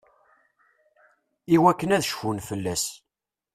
Iwakken ad cfun fell-as.